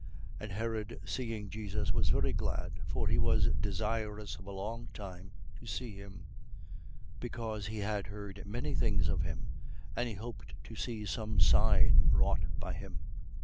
23:8. And Herod seeing Jesus, was very glad: for he was desirous of a long time to see him, because he had heard many things of him; and he hoped to see some sign wrought by him.